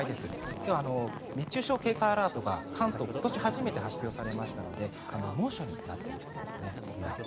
今日は熱中症警戒アラートが関東今年初めて発表されましたので猛暑になっていきそうですね。